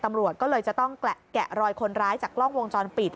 ตำรวจก็เลยจะต้องแกะรอยคนร้ายจากกล้องวงจรปิด